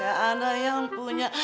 gak ada yang punya